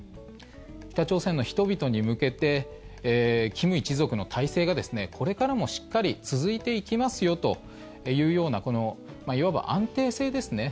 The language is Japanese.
北朝鮮の人々に向けて金一族の体制がこれからもしっかり続いていきますよというようないわば安定性ですね。